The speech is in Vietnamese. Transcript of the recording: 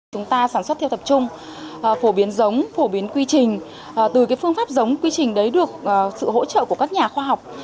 chúng ta sản xuất theo tập trung phổ biến giống phổ biến quy trình từ phương pháp giống quy trình đấy được sự hỗ trợ của các nhà khoa học